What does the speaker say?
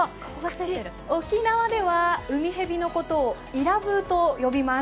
沖縄ではうみへびのことをイラブーと呼びます。